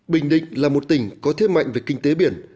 bình định là một tỉnh có thế mạnh về kinh tế biển